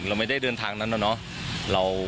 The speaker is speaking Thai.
เราไม่ได้เดินทางนั้นแล้วเนาะ